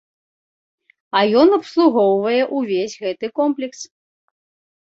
А ён абслугоўвае ўвесь гэты комплекс.